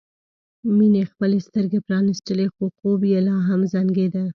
مينې خپلې سترګې پرانيستلې خو خوب یې لا هم زنګېده